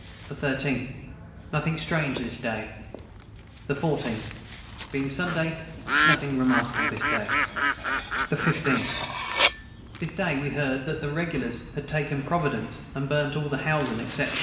the 13. Nothing strange this day. the 14. Being Sunday nothing remarkable this day. the 15. This day we heard that the regulars had taken Providence and burnt all the housen except two.